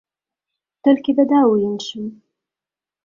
Толькі бяда ў іншым.